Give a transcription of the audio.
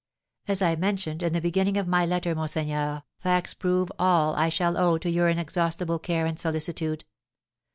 As I mentioned in the beginning of my letter, monseigneur, facts prove all I shall owe to your inexhaustible care and solicitude.